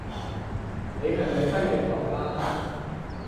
你係咪低血糖呀？